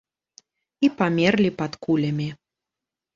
І памерлі пад кулямі.